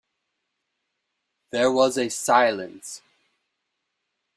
There was a silence.